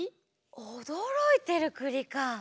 おどろいてるくりか。